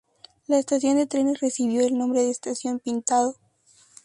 La estación de trenes recibió el nombre de "Estación Pintado".